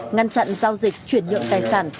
ngăn chặn giao dịch chuyển nhượng tài sản